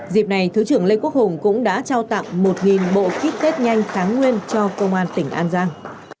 dịp này thứ trưởng lê quốc hùng cũng đã trao tặng một bộ kít tết nhanh kháng nguyên cho công an tỉnh an giang